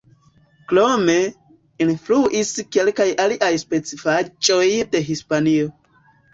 Krome, influis kelkaj aliaj specifaĵoj de Hispanio.